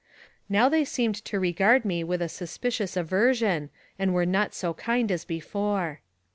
Now they seemed to regard me with a suspicious aversion, and were not so kind as before.